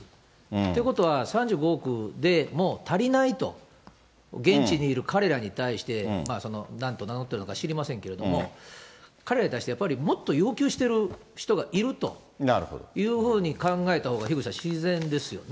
ということは３５億でも足りないと、現地にいる彼らに対して、なんと名乗っているか知りませんけれども、彼らに対してもっとやっぱり要求してる人がいるというふうに考えたほうが、樋口さん、自然ですよね。